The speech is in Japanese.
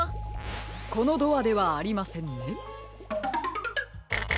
このドアではありませんね。